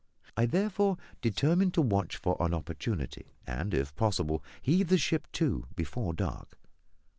I therefore determined to watch for an opportunity, and, if possible, heave the ship to before dark.